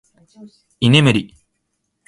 居眠り